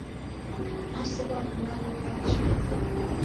Nasow'a w'ulalo ghocha.